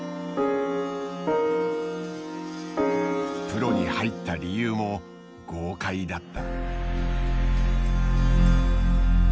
プロに入った理由も豪快だった。